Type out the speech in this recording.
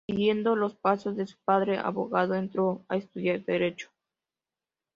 Siguiendo los pasos de su padre abogado, entró a estudiar Derecho.